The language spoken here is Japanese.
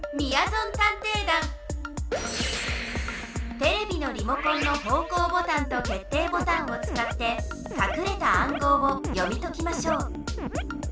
テレビのリモコンの方向ボタンと決定ボタンをつかってかくれた暗号を読み解きましょう。